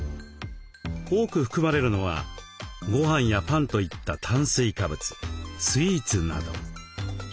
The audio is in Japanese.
多く含まれるのはごはんやパンといった炭水化物スイーツなど。